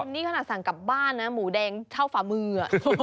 นี่ขนาดสั่งกลับบ้านนะหมูแดงเท่าฝ่ามือ